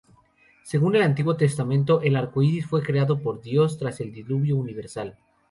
Según el Antiguo Testamento, el arcoíris fue creado por Dios tras el Diluvio universal.